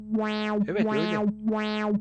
Evet öyle.